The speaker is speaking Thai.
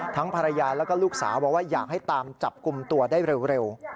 ภรรยาแล้วก็ลูกสาวบอกว่าอยากให้ตามจับกลุ่มตัวได้เร็ว